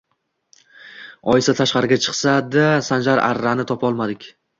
Oyisi tashqariga chiqdi-da, Sanjar, arrani topa olmadik